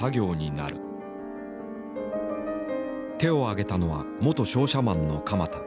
手を挙げたのは元商社マンの鎌田。